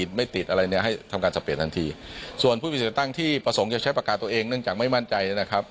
ส่วนผู้มีเลือกตั้งที่ประสงค์จะใช้ปากกาตัวเองเนื่องจากไม่มั่นใจนะครับ